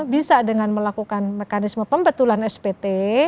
bisa dengan melakukan mekanisme pembetulan spt